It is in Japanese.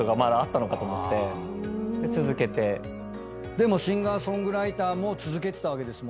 でもシンガー・ソングライターも続けてたわけですもんね。